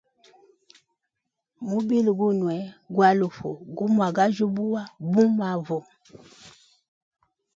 Mubili Gunwe ngwalufu, gumwagajyubuwa bu mavu.